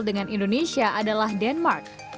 dengan indonesia adalah denmark